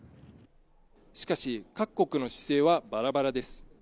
しかし、各国の姿勢はバラバラです。